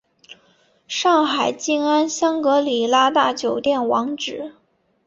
上海静安香格里拉大酒店网址